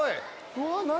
うわ何？